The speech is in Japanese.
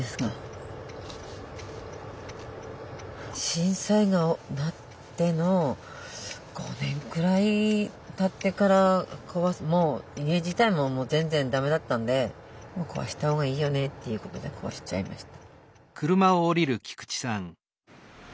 震災なっての５年くらいたってからもう家自体も全然だめだったんでもう壊した方がいいよねっていうことで壊しちゃいました。